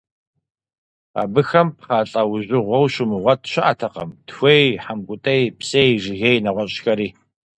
Абыхэм пхъэ лӀэужьыгъуэу щумыгъуэт щыӀэтэкъым: тхуей, хьэмкӀутӀей, псей, жыгей, нэгъуэщӏхэри.